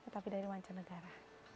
tapi dari manca negara